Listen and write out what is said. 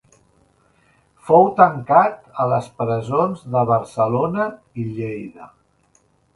Fou tancat a les presons de Barcelona i Lleida.